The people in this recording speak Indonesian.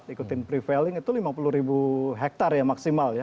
ikutin prevailing itu lima puluh ribu hektare ya maksimal ya